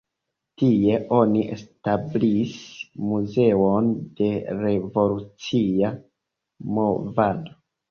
Tie oni establis muzeon de revolucia movado.